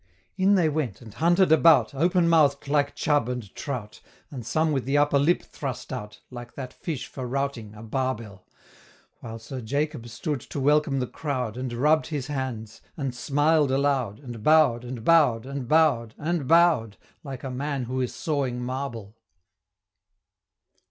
In they went, and hunted about, Open mouth'd like chub and trout, And some with the upper lip thrust out, Like that fish for routing, a barbel While Sir Jacob stood to welcome the crowd, And rubb'd his hands, and smiled aloud, And bow'd, and bow'd, and bow'd, and bow'd, Like a man who is sawing marble.